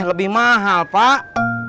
lebih mahal pak